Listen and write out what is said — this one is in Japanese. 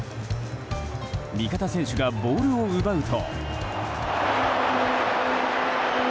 味方選手がボールを奪うと。